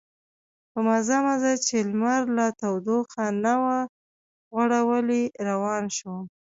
په مزه مزه چې لمر لا تودوخه نه وه غوړولې روان شوم.